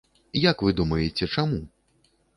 Як вы думаеце, чаму?